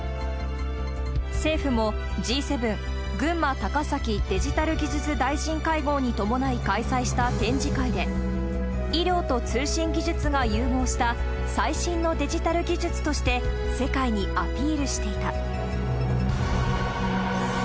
政府も、Ｇ７群馬高崎デジタル・技術大臣会合に伴い開催した展示会で、医療と通信技術が融合した最新のデジタル技術として、世界にアピールしていた。